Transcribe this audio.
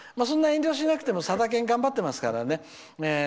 そんな遠慮しなくてもさだ研頑張ってますからね。